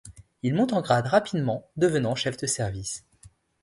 Il monte en grade rapidement, devenant chef de service.